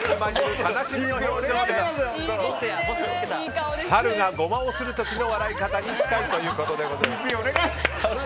猿がゴマをする時の笑い方に近いということです。